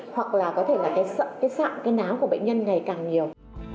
hoặc là có thể là cái sạm cái náo của bệnh nhân ngày càng nhiều